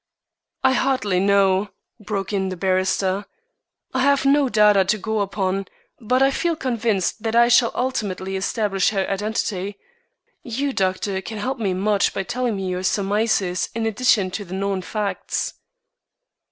"I hardly know," broke in the barrister. "I have no data to go upon, but I feel convinced that I shall ultimately establish her identity. You, doctor, can help me much by telling me your surmises in addition to the known facts."